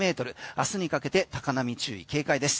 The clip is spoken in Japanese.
明日にかけて高波注意警戒です。